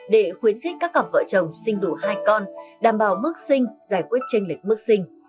để khuyến khích các cặp vợ chồng sinh đủ hai con đảm bảo mức sinh giải quyết tranh lịch mức sinh